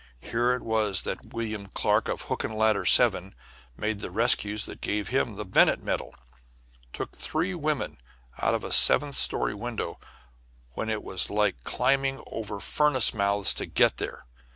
Here it was that William Clark of Hook and Ladder 7 made the rescues that gave him the Bennett medal took three women out of seventh story windows when it was like climbing over furnace mouths to get there.